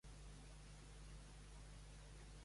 Qui és delegada de Greenpeace a Catalunya?